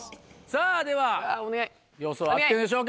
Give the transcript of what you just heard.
さぁでは予想は合ってるんでしょうか？